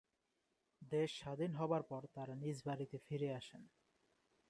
দেশ স্বাধীন হবার পর তারা নিজ বাড়িতে ফিরে আসেন।